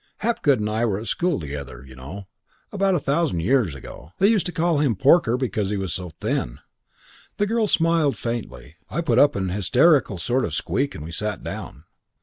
Hapgood and I were at school together, you know, about a thousand years ago. They used to call him Porker because he was so thin.' "The girl smiled faintly, I put up an hysterical sort of squeak, and we sat down.